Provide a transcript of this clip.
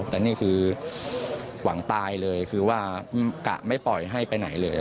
แต่นี่คือหวังตายเลยคือว่ากะไม่ปล่อยให้ไปไหนเลย